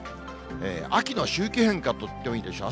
秋の周期変化といってもいいでしょう。